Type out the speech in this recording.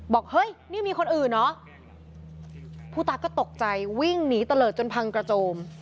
บอกเฮ้ยนี่มีคนอื่นเหรอผู้ตายก็ตกใจวิ่งหนีตะเลิศจนพังกระโจม